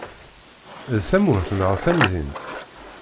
D tamurt neɣ d tamdint?